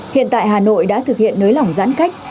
hiện tại hà nội đã thực hiện nới lỏng giãn cách